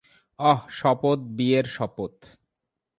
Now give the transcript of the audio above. অহ, শপথ বিয়ের শপথ।